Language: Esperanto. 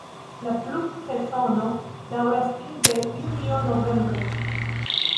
La pluvsezono daŭras inter junio-novembro.